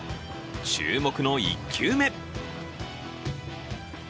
注目の１球目。